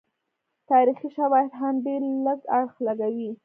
تاریخي شواهد هم ډېر لږ اړخ لګوي.